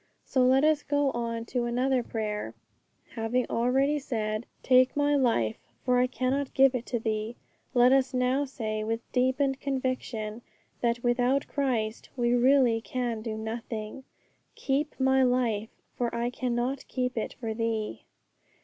So let us go on to another prayer. Having already said, 'Take my life, for I cannot give it to Thee,' let us now say, with deepened conviction, that without Christ we really can do nothing, 'Keep my life, for I cannot keep it for Thee.'